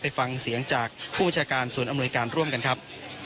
ไปฟังเสียงจากผู้จัดการศูนย์อำนวยการร่วมกันครับ